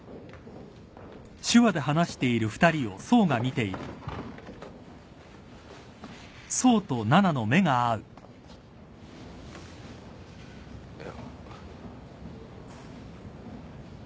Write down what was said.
いや。